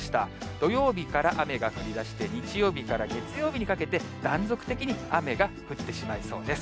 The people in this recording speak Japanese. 土曜日から雨が降りだして、日曜日から月曜日にかけて、断続的に雨が降ってしまいそうです。